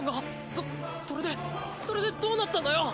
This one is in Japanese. そそれでそれでどうなったんだよ？